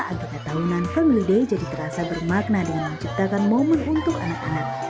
agenda tahunan family day jadi terasa bermakna dengan menciptakan momen untuk anak anak